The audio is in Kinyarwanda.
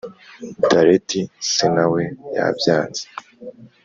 Daleti se nawe yabyanze